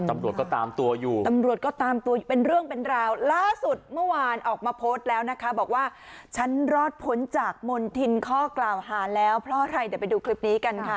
ตำรวจก็ตามตัวอยู่ตำรวจก็ตามตัวอยู่เป็นเรื่องเป็นราวล่าสุดเมื่อวานออกมาโพสต์แล้วนะคะบอกว่าฉันรอดพ้นจากมณฑินข้อกล่าวหาแล้วเพราะอะไรเดี๋ยวไปดูคลิปนี้กันค่ะ